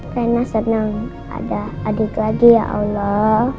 karena senang ada adik lagi ya allah